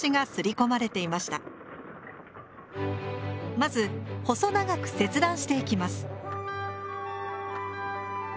まず細長く切断していきます。